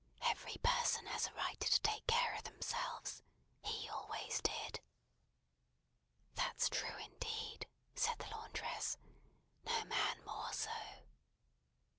"Every person has a right to take care of themselves. He always did." "That's true, indeed!" said the laundress. "No man more so."